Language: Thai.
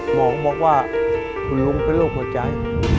หมอบอกว่าคุณลุงเป็นโรคหัวใจ